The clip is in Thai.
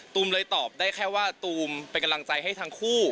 เลยตอบได้แค่ว่าตูมเป็นกำลังใจให้ทั้งคู่